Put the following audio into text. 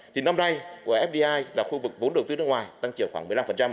thì năm nay của fdi là khu vực vốn đầu tư nước ngoài tăng trưởng khoảng một mươi năm